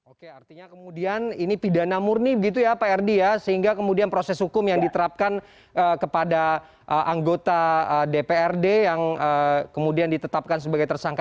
oke artinya kemudian ini pidana murni begitu ya pak erdi ya sehingga kemudian proses hukum yang diterapkan kepada anggota dprd yang kemudian ditetapkan sebagai tersangka